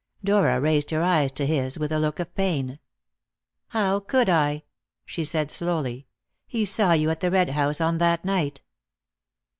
Dora raised her eyes to his with a look of pain. "How could I?" she said slowly. "He saw you at the Red House on that night."